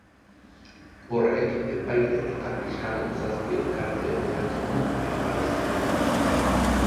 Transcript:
Horrek epaile eta fiskalen zazpi elkarteen erantzuna ekarri zuen.